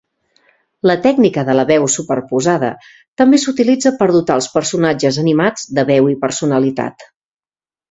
La tècnica de la veu superposada també s'utilitza per dotar els personatges animats de veu i personalitat.